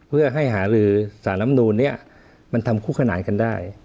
เพื่อให้หาลือสารลำนูนนี้มันทำคู่ขนานกันได้